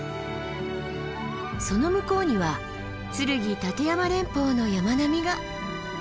その向こうには剱・立山連峰の山並みが。